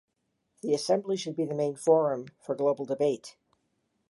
The Assembly should be the main forum for global debate.